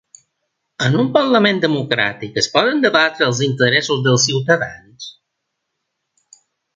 En un parlament democràtic es poden debatre els interessos dels ciutadans?